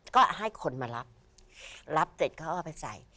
ก็ให้คนมารับรับเสร็จเขาเอาไปใส่